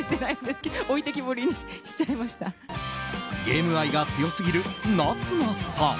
ゲーム愛が強すぎる夏菜さん。